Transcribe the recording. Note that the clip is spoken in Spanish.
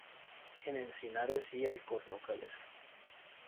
En encinares y alcornocales.